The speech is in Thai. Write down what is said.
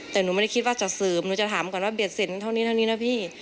แต่หนูไม่ได้คิดว่าจะเสริมหนูจะถามก่อนว่าเด็ดเสร็จเท่านี้เท่านี้นะพี่